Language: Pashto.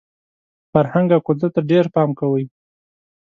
فرهنګ او کلتور ته ډېر پام کوئ!